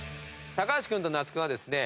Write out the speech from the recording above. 橋君と那須君はですね